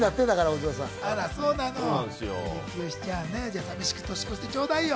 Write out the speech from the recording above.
じゃあ寂しく年越してちょうだいよ。